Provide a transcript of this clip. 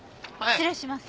失礼します。